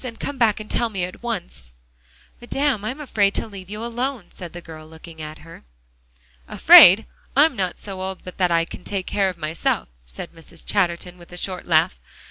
And come back and tell me at once." "Madame, I'm afraid to leave you alone," said the girl, looking at her. "Afraid? I'm not so old but that I can take care of myself," said Mrs. Chatterton with a short laugh.